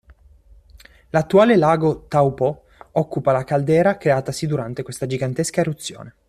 L'attuale lago Taupo occupa la caldera creatasi durante questa gigantesca eruzione.